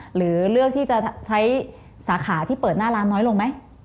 หรือเลือกที่จะใช้สาขาที่เปิดหน้าร้านน้อยลงไหม